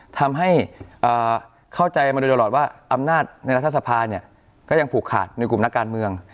ทำให้เข้าใจมาโดยตลอดว่าอำนาจในรัฐสภาเนี่ยก็ยังผูกขาดในกลุ่มนักการเมือง